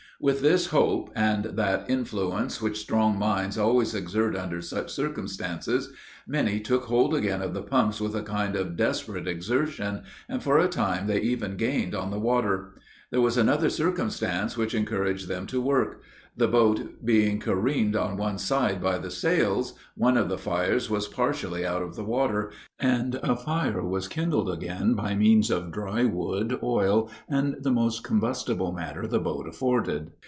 With this hope, and that influence which strong minds always exert under such circumstances, many took hold again of the pumps with a kind of desperate exertion, and for a time they even gained on the water. There was another circumstance which encouraged them to work. The boat being careened on one side by the sails, one of the fires was partially out of water, and a fire was kindled again by means of dry wood, oil, and the most combustible matter the boat afforded.